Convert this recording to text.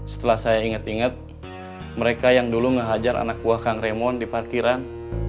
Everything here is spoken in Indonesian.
setelah saya inget inget mereka yang dulu ngehajar anak buah kang raymond di parkiran